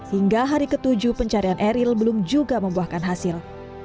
hingga hari ketujuh pencarian eril belum juga membuahkan hasil